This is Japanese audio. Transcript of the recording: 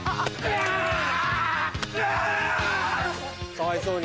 かわいそうに。